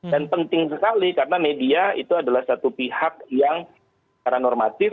dan penting sekali karena media itu adalah satu pihak yang secara normatif